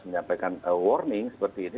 menyampaikan warning seperti ini